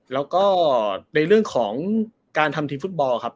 แล้วก็ในเรื่องของการทำทีมฟุตบอลครับ